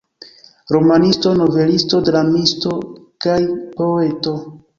Romanisto, novelisto, dramisto kaj poeto.